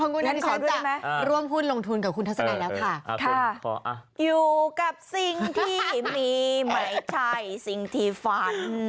พอให้งุ่งนี้ขอด้วยได้ไหมอ่าคุณขออยู่กับสิ่งที่มีไม่ใช่สิ่งที่ฝัน